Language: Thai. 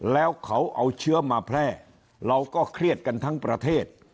แล้วเขาเอาเชื้อมาแพร่เราก็เครียดกันทั้งประเทศ